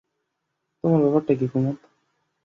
তোমার ব্যাপারটা কী কুমুদ?